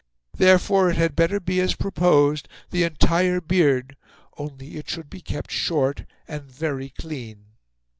Therefore it had better be as proposed, the entire beard, only it should be kept short and very clean."